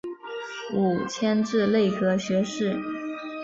五迁至内阁学士。